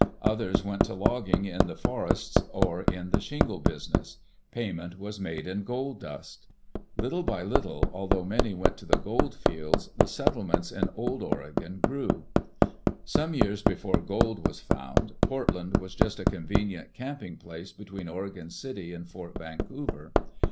Others went to logging in the for ests, or in the shingle business. Payment was made in gold dust Little by little, although many went to the gold fields, the settlements in Old Oregon grew. Some years before gold was found, Portland was just a convenient camping place between Oregon City and Fort Vancouver.